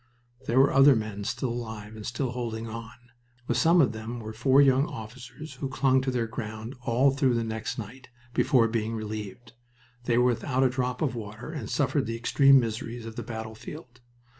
There were other men still alive and still holding on. With some of them were four young officers, who clung to their ground all through the next night, before being relieved. They were without a drop of water and suffered the extreme miseries of the battlefield.